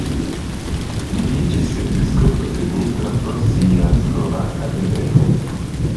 Li iĝis episkopo de Nitra pro sia slovaka deveno.